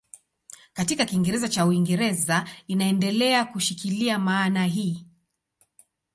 Katika Kiingereza cha Uingereza inaendelea kushikilia maana hii.